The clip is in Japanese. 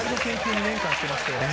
２年間してまして。